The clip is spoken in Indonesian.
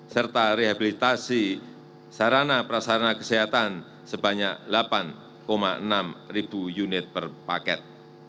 serta rehabilitasi sarana prasarana kesehatan sebanyak delapan enam ribu unit per paket